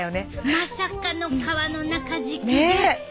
まさかの革の中敷きね。